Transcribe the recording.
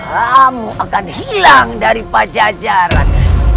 kamu akan hilang dari pajajaran